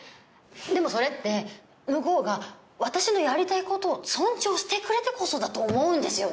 でもそれって向こうが私のやりたいことを尊重してくれてこそだと思うんですよね。